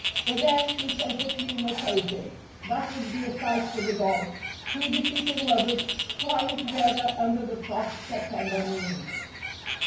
But there his sense of humor saved him. That would be a sight for the gods, two defeated lovers flying together under the soft September moon.